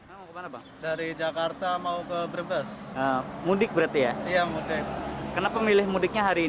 emang saja berangkat subuh atau gimana